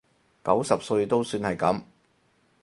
九十歲都算係噉